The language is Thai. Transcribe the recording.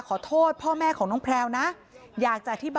คำให้การในกอล์ฟนี่คือคำให้การในกอล์ฟนี่คือ